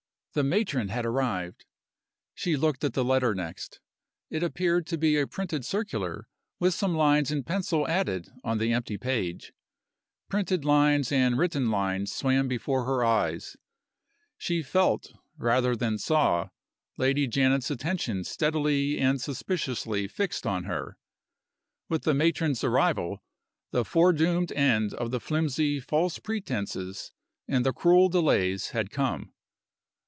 The matron had arrived! She looked at the letter next. It appeared to be a printed circular, with some lines in pencil added on the empty page. Printed lines and written lines swam before her eyes. She felt, rather than saw, Lady Janet's attention steadily and suspiciously fixed on her. With the matron's arrival the foredoomed end of the flimsy false pretenses and the cruel delays had come.